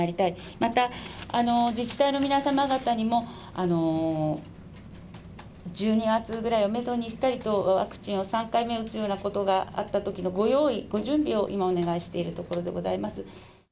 また自治体の皆様方にも、１２月ぐらいをメドに、ワクチンを３回目を打ったようなことがあったときに、ご用意、ご準備を今、お願いしているところでございます。